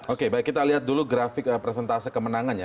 oke baik kita lihat dulu grafik presentase kemenangannya